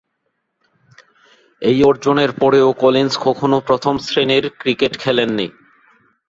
এই অর্জনের পরেও কলিন্স কখনও প্রথম-শ্রেণীর ক্রিকেট খেলেন নি।